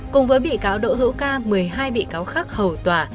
cùng với bị cáo đỗ hữu ca một mươi hai bị cáo khác hầu tòa